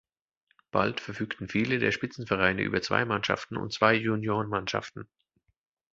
Bald verfügten viele der Spitzenvereine über zwei Mannschaften und zwei Juniorenmannschaften.